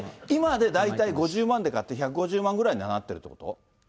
今で大体５０万で買って、１５０万ぐらいにはなってるってこと？